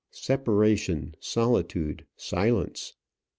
Separation solitude silence!